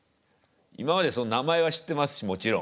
今までその名前は知ってますしもちろん。